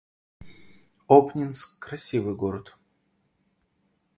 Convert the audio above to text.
Обнинск — красивый город